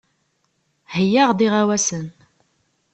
Heyyaɣ-d iɣawasen.